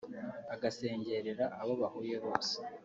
agasengerera abo bahuye bose